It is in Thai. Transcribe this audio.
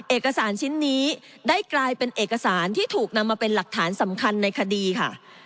เอกสารชิ้นนี้ได้กลายเป็นเอกสารที่ถูกนำมาเป็นหลักฐานสำคัญในคดีค่ะ